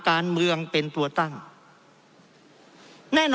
เพราะเรามี๕ชั่วโมงครับท่านนึง